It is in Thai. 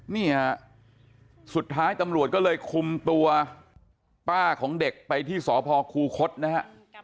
นี่ฮะสุดท้ายตำรวจก็เลยคุมตัวป้าของเด็กไปที่สพคูคศนะฮะ